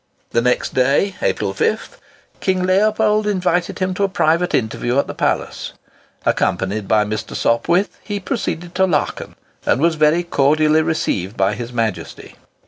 The next day (April 5th) King Leopold invited him to a private interview at the palace. Accompanied by Mr. Sopwith, he proceeded to Laaken, and was very cordially received by His Majesty.